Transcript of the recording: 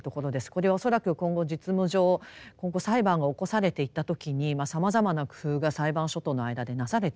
これは恐らく今後実務上今後裁判が起こされていった時にさまざまな工夫が裁判所との間でなされてですね